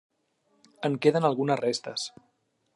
En queden algunes restes.